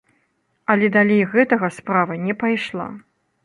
Але далей гэтага справа не пайшла.